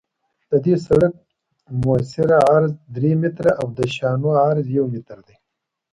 د دې سرک مؤثر عرض درې متره او د شانو عرض یو متر دی